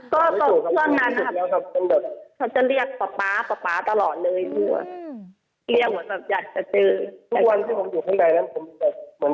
ก็คือนั้นครับฉันจะเรียกป๊าป๊าป๊าตลอดเลย